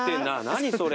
何それ？